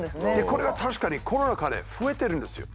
これは確かにコロナ禍で増えてるんですよ。